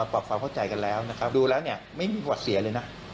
ปรับความเข้าใจกันแล้วนะครับดูแล้วเนี่ยไม่มีหวัดเสียเลยนะ